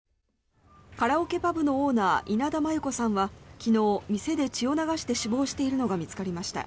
カラオケパブのオーナー稲田真優子さんは昨日、店で血を流して死亡しているのが見つかりました。